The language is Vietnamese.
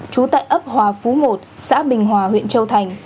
trú tại ấp hòa phú một xã bình hòa huyện châu thành